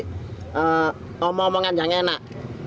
kita tidak pernah diberikan omongan yang enak